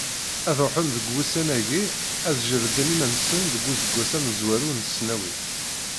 Ad ruḥen deg wussan-agi, ad jerrden iman-nsen deg useggas amezwaru n tesnawit.